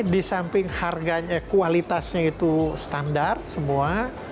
di samping harganya kualitasnya itu standar semua